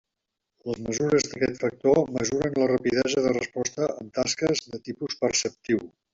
Les mesures d'aquest factor mesuren la rapidesa de resposta en tasques de tipus perceptiu.